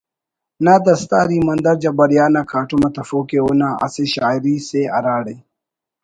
نا دستار ایماندار جبار یار نا کاٹم آ تفوک ءِ اونا اسہ شاعری اسے ہراڑے